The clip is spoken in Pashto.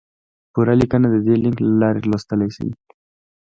پوره لیکنه د دې لینک له لارې لوستی شئ!